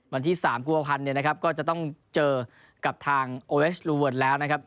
วันที่๓กุมภาพันธ์เนี่ยนะครับก็จะต้องเจอกับทางโอเวสลูเวิร์นแล้วนะครับ